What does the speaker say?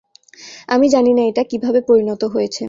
আমি জানি না এটা, কীভাবে পরিণত হয়েছে।